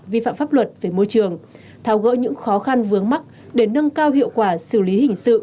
vi phạm pháp luật về môi trường thao gỡ những khó khăn vướng mắt để nâng cao hiệu quả xử lý hình sự